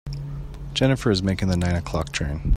Jennifer is making the nine o'clock train.